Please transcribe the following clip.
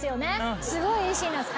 すごいいいシーンなんです。